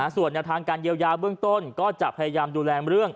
ส่วนแนวทางการเยียวยาเบื้องต้นก็จะพยายามดูแลเรื่อง